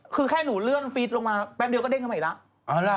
คือแค่หนูเลื่อนฟีดลงมาแป๊บเดียวก็เด้งเข้ามาอีกแล้ว